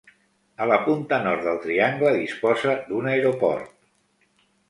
A la punta nord del triangle disposa d'un aeroport.